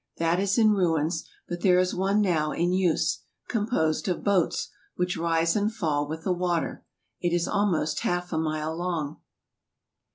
That is in ruins; but there is one now in use, composed of boats, which rise and fall with the water. It is almost half a mile long.